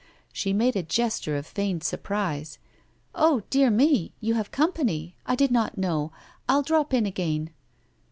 She made a gesture of feigned surprise. 'Oh, dear me! you have company I did not know; I'll drop in again.